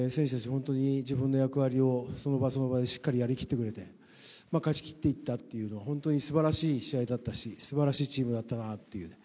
本当に自分の役割をその場その場でしっかりやりきってくれて勝ちきっていったというのは本当にすばらしい試合だったし、すばらしいチームだったなと。